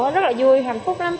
rất là vui hạnh phúc lắm